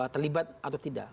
terlibat atau tidak